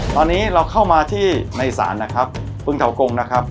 ตอนนี้เราเข้ามาที่ในศาลนะครับพึ่งเถากงนะครับ